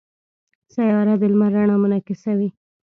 سیاره د لمر رڼا منعکسوي.